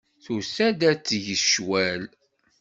Tusa-d ad teg ccwal.